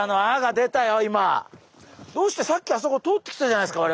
どうしてさっきあそこ通ってきたじゃないですか